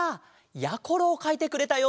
やころをかいてくれたよ。